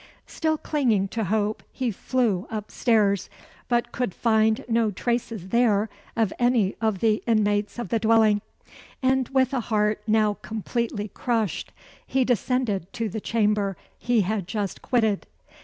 Still clinging to hope, he flew up stairs, but could find no traces there of any of the inmates of the dwelling; and with a heart now completely crushed, he descended to the chamber he had just quitted.